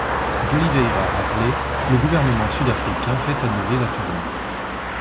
D'Oliveira rappelé, le gouvernement sud-africain fait annuler la tournée.